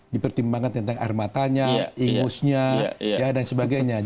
dipertimbangkan tentang air matanya ingusnya dan sebagainya